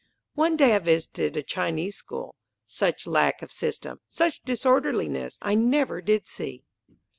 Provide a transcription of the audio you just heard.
One day I visited a Chinese school. Such lack of system, such disorderliness I never did see!